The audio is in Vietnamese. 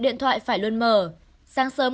điện thoại phải luôn mở sáng sớm